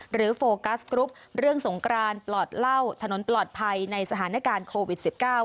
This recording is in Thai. โฟกัสกรุ๊ปเรื่องสงกรานปลอดเหล้าถนนปลอดภัยในสถานการณ์โควิด๑๙